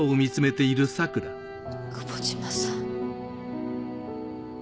久保島さん。